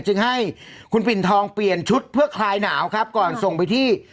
จึงให้คุณปิ่นทองเปลี่ยนชุดเพื่อคลายหนาวครับก่อนส่งไปที่